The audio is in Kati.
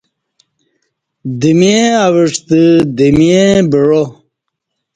دمے اَوعستہ دمے بعا